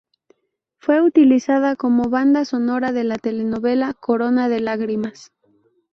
Fue utilizada como banda sonora de la telenovela "Corona de Lágrimas".